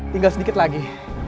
tinggal sedikit lagi